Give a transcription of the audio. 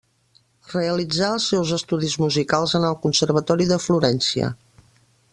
Realitzà els seus estudis musicals en el Conservatori de Florència.